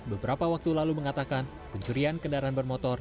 beberapa waktu lalu mengatakan pencurian kendaraan bermotor